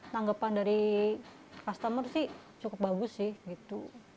tanggapan dari customer sih cukup bagus sih gitu